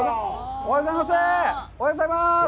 おはようございます。